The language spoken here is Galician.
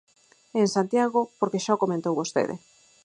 E en Santiago, porque xa o comentou vostede.